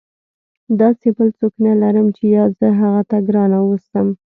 داسې بل څوک نه لرم چې یا زه هغه ته ګرانه واوسم.